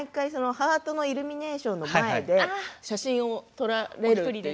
ハートのイルミネーションの前で写真を撮られると。